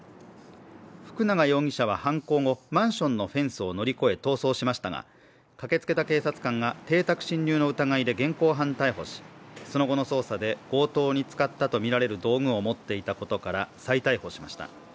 福永容疑者は犯行後、マンションのフェンスを乗り越え逃走しましたが駆けつけた警察官が邸宅侵入の疑いで現行犯逮捕しその後の捜査で強盗に使ったとみられる道具を持っていたことから再逮捕しました。